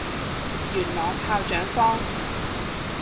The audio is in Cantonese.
元朗炮仗坊